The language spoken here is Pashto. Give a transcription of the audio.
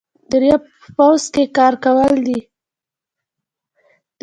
دریم په پوځ کې کار کول دي.